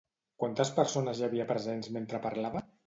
Quantes persones hi havia presents mentre parlava?